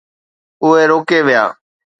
اهي روڪي ويا.